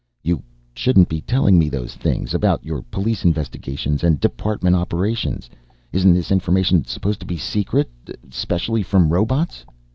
"You shouldn't be telling me those things about your police investigations and department operations. Isn't this information supposed to be secret? Specially from robots!"